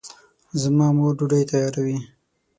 زما مور ډوډۍ تیاروي